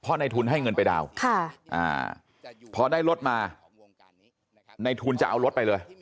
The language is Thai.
เพราะในทุนให้เงินไปดาวน์พอได้รถมาในทุนจะเอารถไปเลย